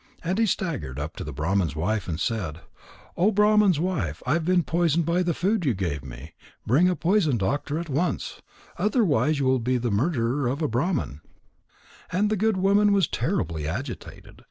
And he staggered up to the Brahman's wife and said: "Oh, Brahman's wife, I have been poisoned by the food you gave me. Bring a poison doctor at once. Otherwise you will be the murderer of a Brahman." And the good woman was terribly agitated.